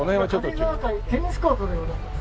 「軽井沢会テニスコートでございます」